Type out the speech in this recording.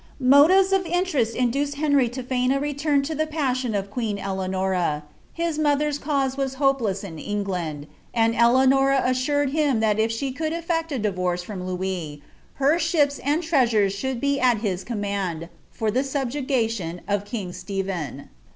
Motives of interest induced Henry to feign a return to the passion of queen Eleanora ; his mother^s cause was hopeless in England, and Eleanora assured him that if she could efiect a divorce from Louis, her ships and treasures should be at his command, for the subjugation of king Stephen.